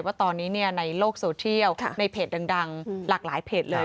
ว่าตอนนี้ในโลกโซเทียลในเพจดังหลากหลายเพจเลย